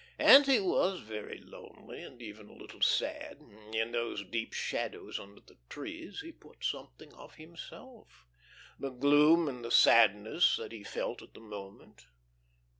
And he was very lonely and even a little sad. In those deep shadows under the trees he put something of himself, the gloom and the sadness that he felt at the moment.